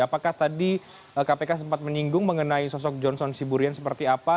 apakah tadi kpk sempat menyinggung mengenai sosok johnson siburian seperti apa